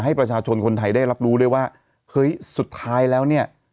ให้ประชาชนคนไทยได้รับรู้ด้วยว่าเฮ้ยสุดท้ายแล้วเนี่ย